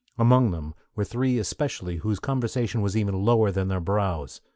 Among them were three especially whose conversation was even lower than their brows.